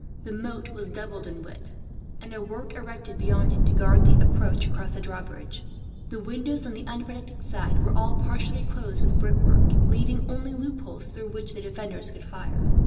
The moat was doubled in width, and a work erected beyond it, to guard the approach across the drawbridge. The windows on the unprotected side were all partially closed with brickwork, leaving only loopholes through which the defenders could fire.